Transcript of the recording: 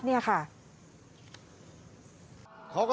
เยี่ยมมากครับ